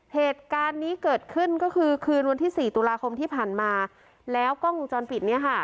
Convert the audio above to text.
เหตุการณ์นี้เกิดขึ้นก็คือคืนวันที่สี่ตุลาคมที่ผ่านมาแล้วกล้องวงจรปิดเนี้ยค่ะ